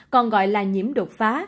còn gọi là nhiễm đột phá